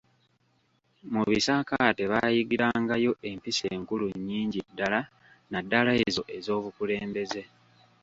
Mu bisaakaate baayigirangayo empisa enkulu nnyingi ddala naddala ezo ez’obukulembeze.